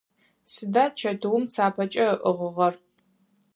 Сыда чэтыум цапэкӏэ ыӏыгъыгъэр?